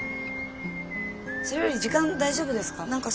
それより時間大丈夫ですか？